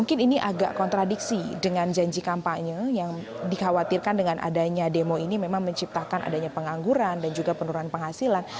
mungkin ini agak kontradiksi dengan janji kampanye yang dikhawatirkan dengan adanya demo ini memang menciptakan adanya pengangguran dan juga penurunan penghasilan